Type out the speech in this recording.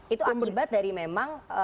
itu akibat dari memang